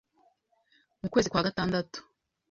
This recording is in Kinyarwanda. Mu kwezi kwa gatandatu,